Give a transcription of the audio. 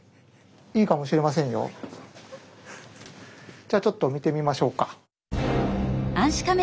じゃあちょっと見てみましょうか。